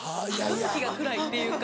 空気が暗いっていうか。